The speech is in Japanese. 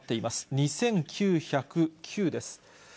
２９０９です。